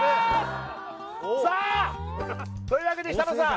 さあというわけで設楽さん